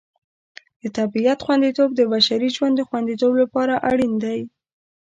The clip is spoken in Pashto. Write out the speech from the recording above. د طبیعت خوندیتوب د بشري ژوند د خوندیتوب لپاره اړین دی.